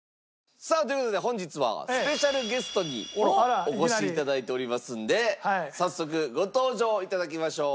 さあという事で本日はスペシャルゲストにお越し頂いておりますんで早速ご登場頂きましょう。